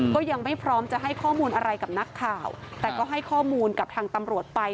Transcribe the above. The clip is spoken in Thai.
ก็ยังไม่พร้อมจะให้ข้อมูลอะไรกับนักข่าวแต่ก็ให้ข้อมูลกับทางตำรวจไป